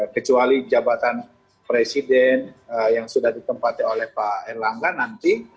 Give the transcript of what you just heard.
kecuali jabatan presiden yang sudah ditempati oleh pak erlangga nanti